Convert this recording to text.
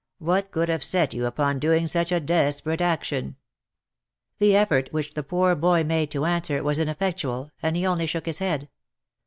What could have set you upon doing such a desperate action ?" The effort which the poor boy made to answer was ineffectual, and he only shook his head.